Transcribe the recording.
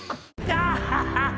アハハハ！